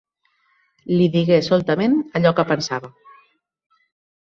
Li digué soltament allò que pensava.